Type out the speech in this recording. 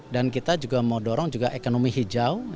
dan kita juga mau dorong ekonomi hijau